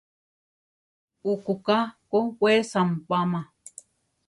Ukuka ko we sambama.